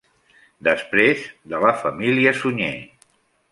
Després, de la família Sunyer.